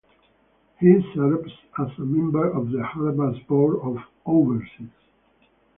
He served as a member of the Harvard Board of Overseers.